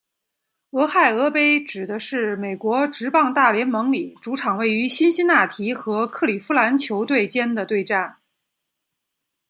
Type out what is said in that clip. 俄亥俄杯指的是美国职棒大联盟里主场位于辛辛那提和克里夫兰球队间的对战。